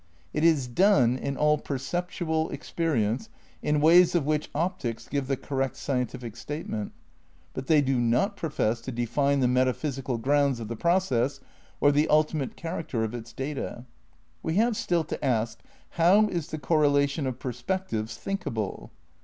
It is done in all perceptual experience in ways of which optics give the correct scientific statement. But they do not profess to define the metaphysical grounds of the process or the ultimate character of its data. We have still to ask how is the correlation of perspec tives thinkable?